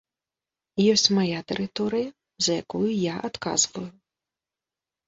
Ёсць мая тэрыторыя, за якую я адказваю.